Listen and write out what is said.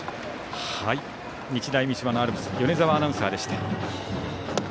日大三島のアルプス米澤アナウンサーでした。